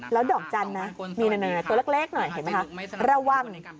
แล้วดอกจันทร์นะมีตัวเล็กหน่อยเห็นไหมคะระวัง